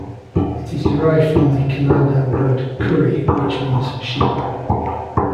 It is derived from the Kannada word 'kuri' which means 'sheep'.